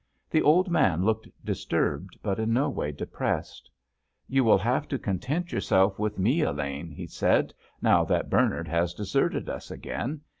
The old man looked disturbed, but in no way depressed. "You will have to content yourself with me, Elaine," he said, "now that Bernard has deserted us again.